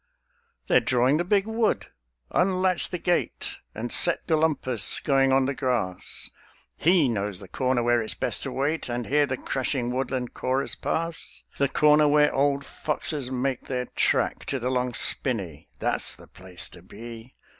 They're drawing the Big Wood! Unlatch the gate, And set Golumpus going on the grass: He knows the corner where it's best to wait And hear the crashing woodland chorus pass; The corner where old foxes make their track To the Long Spinney; that's the place to be.